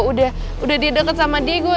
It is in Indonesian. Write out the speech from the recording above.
udah dia deket sama diego